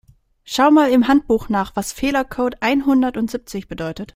Schau mal im Handbuch nach, was Fehlercode einhunderteinundsiebzig bedeutet.